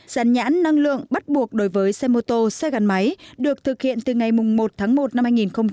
gián nhãn năng lượng bắt buộc đối với xe mô tô xe gắn máy được thực hiện từ ngày một tháng một năm hai nghìn hai mươi